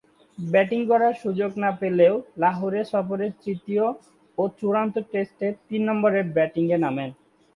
Batting করার সুযোগ না পেলেও লাহোরে সফরের তৃতীয় ও চূড়ান্ত টেস্টে তিন নম্বরে ব্যাটিংয়ে নামেন।